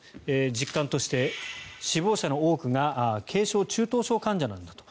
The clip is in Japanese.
実感として、死亡者の多くが軽症、中等症患者なんだと。